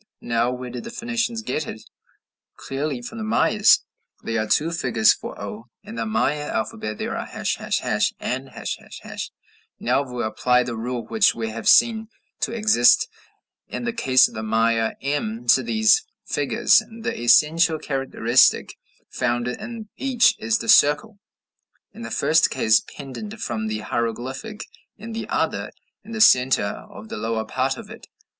Now where did the Phoenicians get it? Clearly from the Mayas. There are two figures for o in the Maya alphabet; they are ### and ###; now, if we apply the rule which we have seen to exist in the case of the Maya m to these figures, the essential characteristic found in each is the circle, in the first case pendant from the hieroglyph; in the other, in the centre of the lower part of it.